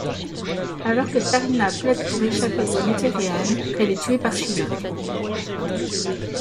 Alors que Sareena plaide pour échapper au Netherrealm, elle est tuée par Shinnok.